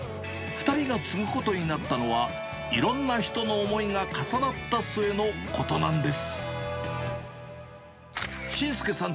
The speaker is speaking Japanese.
２人が継ぐことになったのは、いろんな人の思いが重なった末のことなんです。